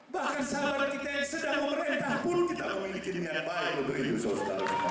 bahkan sahabat kita yang sedang memerintah pun kita memiliki dengan baik untuk hidup sosial